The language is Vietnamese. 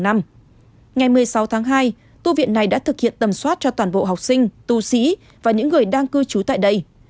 ngày một mươi sáu tháng hai tu viện này đã thực hiện tầm soát cho toàn bộ học sinh tu sĩ và những người đang cư trú tại đây